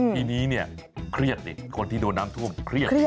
ที่นี้เนี่ยเครียดเนี่ยคนที่โดนน้ำท่วมเครียดเนี่ย